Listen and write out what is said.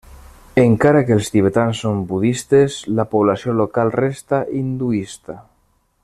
Encara que els tibetans són budistes, la població local resta hinduista.